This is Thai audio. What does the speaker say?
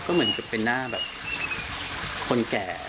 ก็เหมือนจะเป็นหน้าแบบคนแก่